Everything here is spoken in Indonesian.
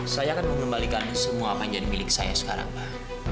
saya akan mengembalikan semua apa yang jadi milik saya sekarang pak